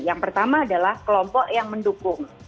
yang pertama adalah kelompok yang mendukung